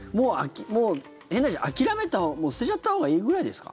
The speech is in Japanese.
もう変な話、諦めたほうが捨てちゃったほうがいいぐらいですか？